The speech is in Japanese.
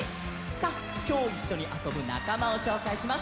さあきょういっしょにあそぶなかまをしょうかいします。